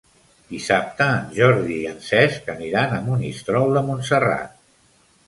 Dissabte en Jordi i en Cesc aniran a Monistrol de Montserrat.